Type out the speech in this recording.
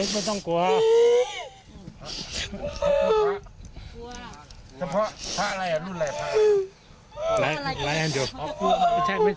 บอกว่าเป็นใครมาจากไหน